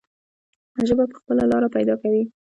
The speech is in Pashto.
ژبه به خپله لاره پیدا کوي.